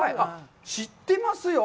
知ってますよ。